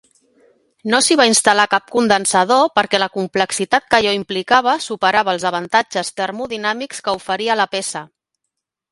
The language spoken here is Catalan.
No s'hi va instal·lar cap condensador perquè la complexitat que allò implicava superava els avantatges termodinàmics que oferia la peça.